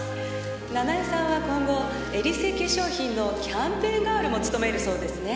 ナナエさんは今後エリセ化粧品のキャンペーンガールも務めるそうですね。